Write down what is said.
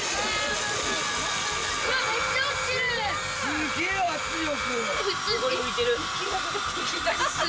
すげぇ圧力！